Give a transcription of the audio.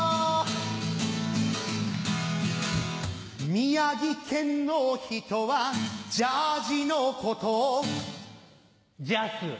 宮城県の人はジャージーのことをジャス。